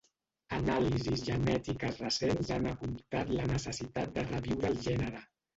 Anàlisis genètiques recents han apuntat la necessitat de reviure el gènere.